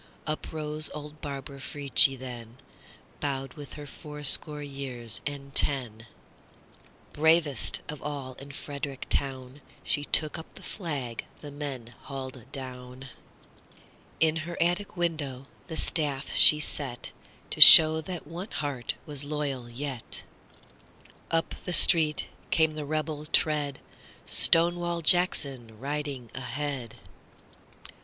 Up rose old Barbara Frietchie then, Bowed with her fourscore years and ten; Bravest of all in Frederick town, She took up the flag the men hauled down; In her attic window the staff she set, To show that one heart was loyal yet. Up the street came the rebel tread, Stonewall Jackson riding ahead.